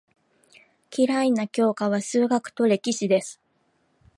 嫌いな教科は数学と歴史です。